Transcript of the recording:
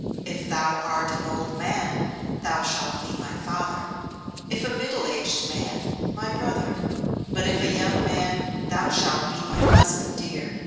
If thou art an old man, thou shalt be my father; if a middle aged man, my brother; but if a young man, thou shalt be my husband dear.